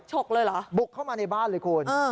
ฉกเลยเหรอบุกเข้ามาในบ้านเลยคุณ